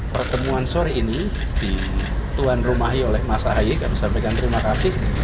pertemuan sore ini dituan rumahi oleh mas ahaye kami sampaikan terima kasih